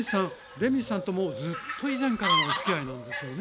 レミさんともうずっと以前からのおつきあいなんですよね。